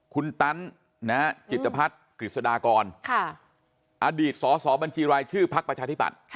คุณตั้นจิตรภัฐนริสุดากรอดีต๑๓๒๑ชื่อพักประชานที่ปัด